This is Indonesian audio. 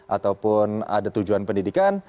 ataupun ada tujuan pendidikan